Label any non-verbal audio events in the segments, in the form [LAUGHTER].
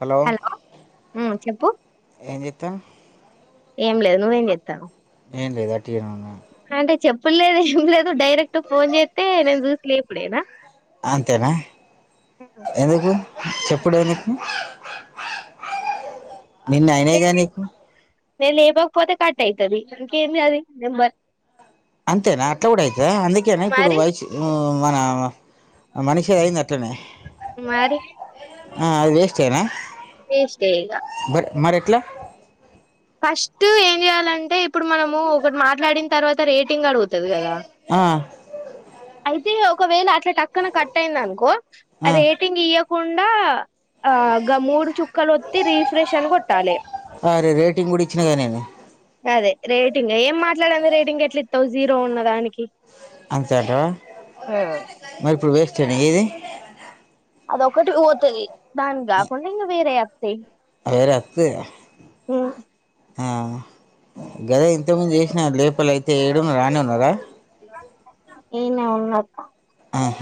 Hello హ్మ్ చెప్పు ఏం చెప్తావ్ ఏం లేదు నువ్వు ఏం జ్యతనవు ఏం లేదు అట్టిగానే ఉన్న ఇప్పుడు లేదు ఏం లేదు డైరెక్ట్ ఫోన్ చేస్తే నేను చూసిలే ఇప్పుడేనా అంతేనా ఎందుకు చెప్పుడే ఎందుకు నిన్న లే అయినాగా నీకు నేను లేపోకపోతే కట్ అయితది ఇంకేంది అది నెంబర్ అంతేనా అట్లా కూడా అయిత అందుకేనా ఇప్పుడు మరి వైస్ మన మనిషి అయింద క్కనే మరి అది వేస్తేనా వేస్టే ఇగ బట్ మర్ ఎట్లా ఫస్ట్ ఏం చెయాలంటే ఇప్పుడు మనము ఒకటి మాట్లాడిన తర్వాత రేటింగ్ అడుగుతుది కదా ఆ అయితే ఒకవేళ అట్లా టక్కన కట్ అయింది అనుకో ఆ రేటింగ్ ఇయ ఇయ్యకుండా ఆ గ మూడు చుక్కలు ఒత్తి రీఫ్రెష్ అని కొట్టాలి అరే రేటింగ్ కూడా ఇచ్చినగా నేను అదే రేటింగ్ ఏం మాట్లాడంది రేటింగ్ ఎట్లా ఇస్తావు జీరో ఉన్న దానికి అంతే అంట మరి ఇప్పుడు వేస్తే నా ఇది అదొక్కటి పోతుంది దానికి కాకుండా ఇంకా వేరే అత్తయ్ వేర అక్క ఆ గదా ఇంతకుమంది చేసిన లేపల అయితే ఏడ రానే ఉన్నారా ఈనే ఉన్న ఆహ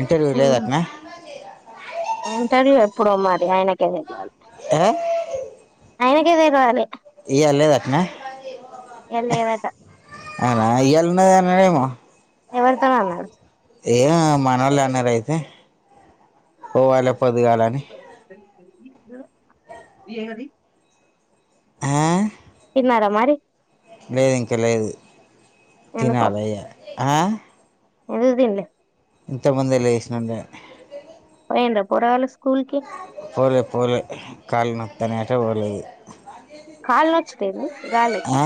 ఇంటర్వ్యూ లేదు అట్లనా ఇంటర్వ్యూ ఎప్పుడు మరి ఆయనకే తెలవాలి ఏ ఆయనకే తెలవాలి ఇయ్యాల లేదు అట్లానా ఇయాల లేదట అవున ఇయాల ఉన్నాడేమో ఎవరితో అన్నాడు ఏ మనళ అన్నారురయితే పోవాలి పొద్దుగాలని ఏమని ఆ ఉన్నారా మరి లేదు ఇంకా లేదు ఎందుకో తినాలి ఇగ ఆ ఎందుకు తినలే ఇంతకుముందే లేసినాగా ఎంద పోరగాలు స్కూలుకి పోలే పోలే కాళ నొతనయంట పోలేదు కాళ నచ్చుతాంది ఏంది గాలికి ఆ?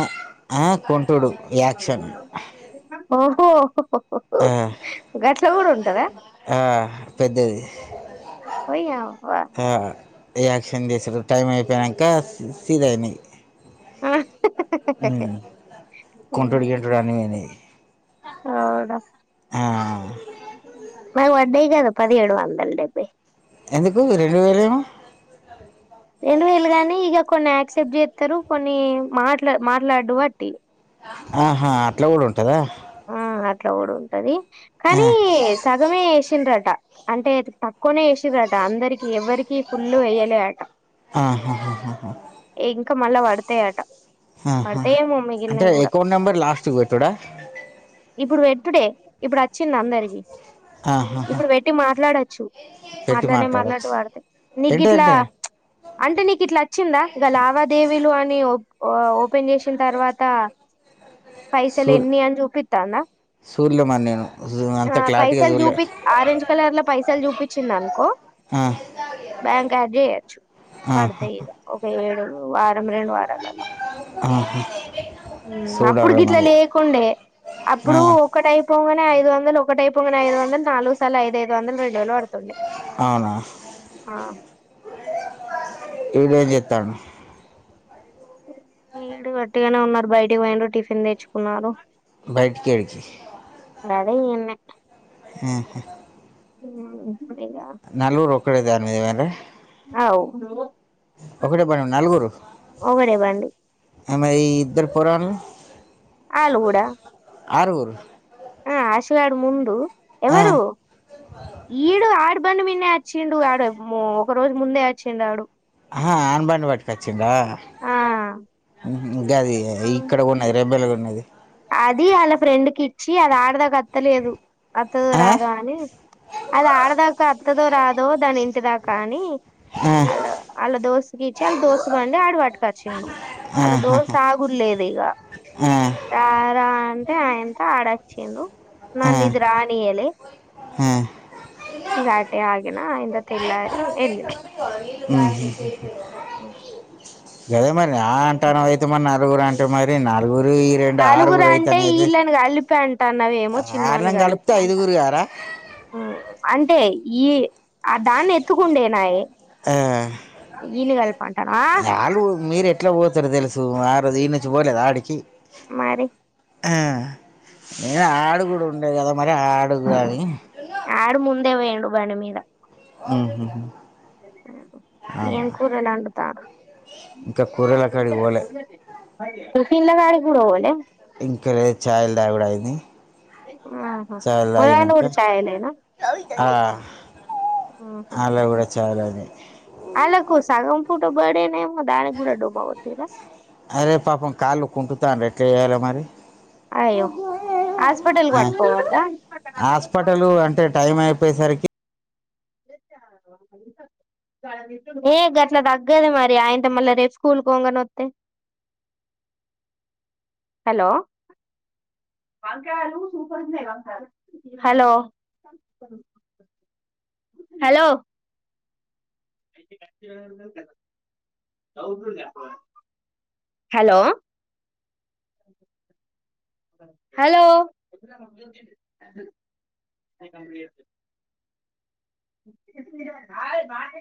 ఆ? కుంటుడు యాక్షన్ ఒహ్హో ఆ, గట్ల కూడా ఉంటదా ఆ పెద్దది పోయి అవ్వ ఆ ఏయాక్షన్ చేసారు టైం అయిపోయినకా సీద అయినాయి ఆ ఉమ్. కుంటుడు గింటుడు అని పోయినాయి అవునా ఆ. మాకి పడ్డాయి కదా పదిహేడు వందలు డబ్యే ఎందుకు రెండు వేలు ఏమో రెండు వేలు గాని ఇక కొన్ని యాక్సెప్ట్ చేస్తారు కొన్ని మాట్లా మాట్లాడు బట్టి ఆహా అట్లా కూడా ఉంటదా ఆ అట్లా కూడా ఉంటది ఆ, కానీ సగమే వచ్చిందంట అంటే తక్కువనే ఏసిండ్రంట అందరికి ఎవరి కి పుల్లు వేయలే అంట ఆహా ఇంకా మల్ల పడతేయాట ఆహా అంటే ఎక్కువ నెంబర్ లాస్ట్ పెట్టుడా ఇప్పుడు పెటుడే ఇప్పుడు అచ్చింది అందరికి ఆహాహా. ఇప్పుడు పెట్టి మాట్లాడచ్చు పెట్టి మాట్లాడలేం మాట్లాడచ్చు మాట్లాడవాలికి నీ ఏంటి గిట్ల అంటే అంటే నీకు ఇట్లా అచ్చిందా దా లావాదేవీలు అ మీ ఒప్ ఓపెన్ చేషిన్ తర్వాత పైసలు ఎన్ని చూపెట్ సూల్య్ మాన్యను ఆ పైసలు చూపి ఆరెంజ్ కలర్ల పైసలు చూపించింది అనుకో ఆ, బ్యాంక్ యాడ్ చేయొచ్చు పడత ఆహా. ఇగ ఒక ఏడు వ రెండు వారాలలా ఆహా. అప్పుడు చూడాలి గిట్లా మరి లేకుండే ఆ, అప్పుడు ఒకటి అయిపోవగనే ఐదు వందల ఒకటి పొగ నే ఐదు వందలు నాలుగు సార్లు ఐదు ఐదువందల రెండు వేలు పడుతుంది అవునా ఇడు ఏ చేతడు విడు గట్టిగానే ఉన్నారు బయటికి పోయి టిఫిన్ తెచ్చుకున్నారు బయటికెలచ్చి అదే ఇన్న ఆహా అ నలుగురు ఒక్కడే దాని మీద [UNINTELLIGIBLE] అవూ ఒకటే పోయినం నలుగురు ఒకటే బండి ఆమై ఇద్దరు పోరగాళ్లు ఆలు కూడా ఆరుగురు ఆ ఆశగాడు ముందు ఆ. ఎవరు ఈడు ఆడు ఇబంద్ మీనే వచ్చిండు ఆడు మో ఒక రోజు ముందే వచ్చిండాడు అనబాడి బ కచ్చిడా ఆ గది ఇక్కడ ఉన్నది రెబెల్గా ఉన్నది అది వాళ్ళ ఫ్రెండ్ కి ఇచ్చి అది ఆడదాక అత్తలేదు అత్తదు ఆ? రాదా అని అది ఆడదాకా అత్తదో రాదో దాని ఇంటిదాకా అని ఆ, అలో దోస్తకిచ్చ అ దోస్త [UNINTELLIGIBLE] ఆడు పటుకవచ్చయను అలా ఆహాహా. దోస్త అగుర్లేదు ఇగ ఆ, ఆరన్ ఆ ఎంత ఆడచ్చిందు ఆ, నన్న ఇది రానియలే ఆ. ఈ ఆటే ఆగేనా అ ఇంద తెల్లార ఎల్లినావ హు హు కదే మరి ఆ అంటాను అయితే మరి నలుగురు అంటే మరి నాలుగురు నలుగురు అంటే వీళ్ళని కలిపి అంటాన్నావేమో చిన్నోని ఆరులను కలిపితే కలిపి అంటా ఐదుగురు గారా అంటే ఈ ఆ దాన్ని ఎత్తుకుండేనాయి ఆ కలిపంటానవా వాళ్ళు మీరు ఎట్లా పోతారు తెలుసు ఆ రోజు ఈ నుంచి పోలేదు ఆడికి మరి నేను ఆడు కూడా ఉండేయి కదా మరి ఆడు కానీ ఆడు ముందే పోయిండు బండి మీద హ ఏం కూరలాడుతారూ ఇంకా కూరల కాడి ఓలే తన్లా గడి పడవలే ఇంకా చైల్డ్ హైడ్ అయింది ఆహా పొలాన్ని చాలయినంకా కూడా చాయలేనా ఆ అలా కూడా చాలదు అలాకు సాగం ఫూటో బడేనే అరే పాప కాలు కుంటతా అ ర ఎట్లే ఎయాల మరి అయ్యో హాస్పిటల్ పట్టుకోవద్దా హాస్పిటల్ అంటే టైం అయిపో పేసరికి ఏ గట్లా తగ్గదు మరి ఆయంత మళ్ళా రేపు స్కూల్కింగని వస్తే అ హలో హలో అ హలో హలో అ హలో బ